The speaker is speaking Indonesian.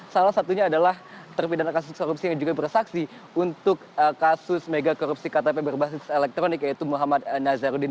salah satunya adalah terpidana kasus korupsi yang juga bersaksi untuk kasus mega korupsi ktp berbasis elektronik yaitu muhammad nazarudin